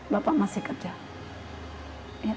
bapak masih kerja